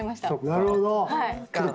なるほど。